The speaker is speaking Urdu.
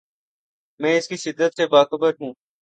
میں اس کی شدت سے باخبر ہوں۔